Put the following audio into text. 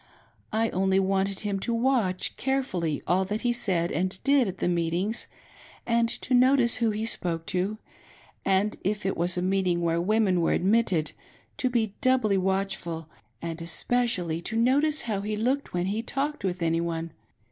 I only wanted him to watch carefully all that he said and did at the meetings and to notice who he spoke to, and if it was a meeting where women were admitted, to be doubly watchful, and especially to notice how he looked when he talked with any one.